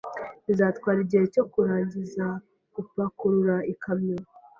Bizatwara igihe cyo kurangiza gupakurura ikamyo